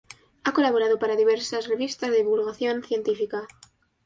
Ha colaborado para diversas revistas de divulgación científica.